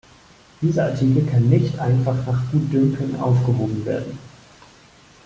Dieser Artikel kann nicht einfach nach Gutdünken aufgehoben werden.